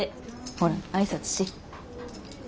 ほら挨拶し。